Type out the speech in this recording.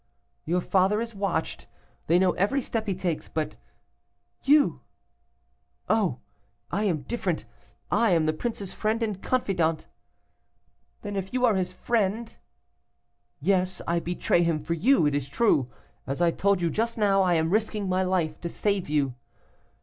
'Your father is watched. They know every step he takes.' 'But you ' 'Oh! I am different; I am the prince's friend and confidant.' 'Then if you are his friend ' 'Yes, I betray him for you; it is true, as I told you just now, I am risking my life to save you.